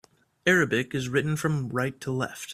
Arabic is written from right to left.